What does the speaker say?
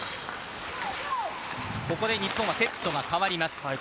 ここで日本はセットが変わります。